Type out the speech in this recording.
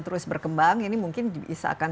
terus berkembang ini mungkin bisa akan